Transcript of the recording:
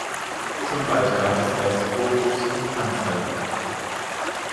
Schon bald gab es erste Fotos und Anzeigen.